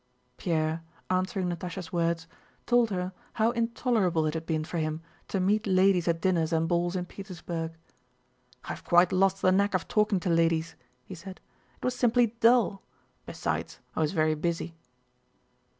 Pierre, answering Natásha's words, told her how intolerable it had been for him to meet ladies at dinners and balls in Petersburg. "I have quite lost the knack of talking to ladies," he said. "It was simply dull. Besides, I was very busy."